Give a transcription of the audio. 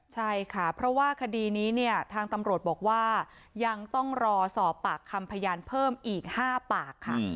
ใช่ค่ะเพราะว่าคดีนี้เนี่ยทางตำรวจบอกว่ายังต้องรอสอบปากคำพยานเพิ่มอีก๕ปากค่ะ